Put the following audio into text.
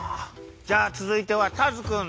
じゃあつづいてはターズくん。